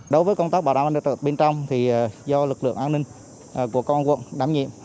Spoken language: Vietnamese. đối với công tác bảo đảm an toàn bên trong thì do lực lượng an ninh của công an quận đảm nhiệm